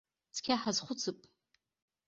Цқьа ҳазхәыцып.